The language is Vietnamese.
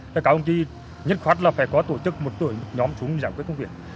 các đồng chí nhất khoát là phải có tổ chức một tuổi nhóm chúng giải quyết công việc